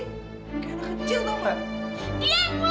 kayak anak kecil tau gak